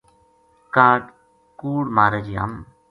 کاہڈ کوڑ مارے جے ہم